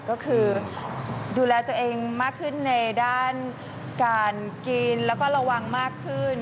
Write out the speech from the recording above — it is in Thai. ก็คือดูแลตัวเองมากขึ้นในด้านการกินแล้วก็ระวังมากขึ้น